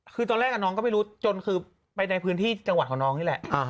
คือตอนแรกน้องก็ไม่รู้จนคือไปในพื้นที่จังหวัดของน้องนี่แหละ